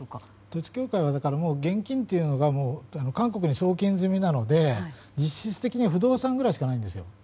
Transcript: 統一教会は現金が韓国に送金済みなので実質的には不動産ぐらいしかないんですよ。